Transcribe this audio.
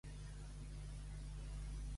Els de Buseu, llops.